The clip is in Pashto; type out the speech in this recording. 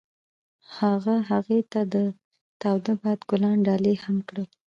هغه هغې ته د تاوده باد ګلان ډالۍ هم کړل.